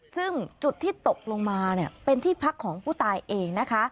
ซึ่งจุดที่ตกลงมาเป็นที่พักของผู้ตายเองนะคะ